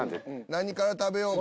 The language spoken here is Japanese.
何から食べようか？